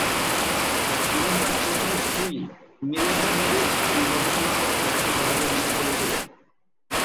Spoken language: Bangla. তিনি তাঁর প্রথম স্ত্রী মিলেভা মেরিক এই গবেষণাপত্রে তাকে সহযোগিতা করেছিলেন।